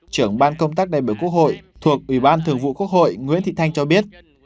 trưởng ban công tác đại biểu quốc hội thuộc ủy ban thường vụ quốc hội nguyễn thị thanh cho biết